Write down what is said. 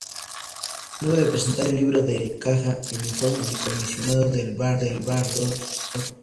Luego de presentar el libro de Caja, el informe del comisionado del virrey, Dr.